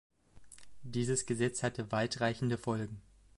Dieses Gesetz hatte weitreichende Folgen.